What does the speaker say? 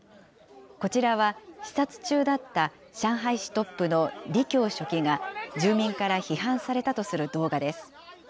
こちらは、視察中だった上海市トップの李強書記が、住民から批判されたとする動画です。